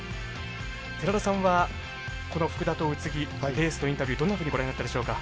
寺田さんはこの福田と宇津木レースのインタビューどんなふうにご覧になったでしょうか？